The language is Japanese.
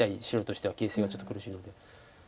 白としては形勢がちょっと苦しいので。